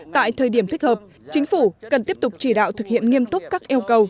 tại thời điểm thích hợp chính phủ cần tiếp tục chỉ đạo thực hiện nghiêm túc các yêu cầu